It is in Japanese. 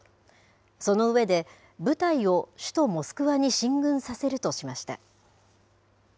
その上で、部隊を首都モスクワに進軍させるとしました。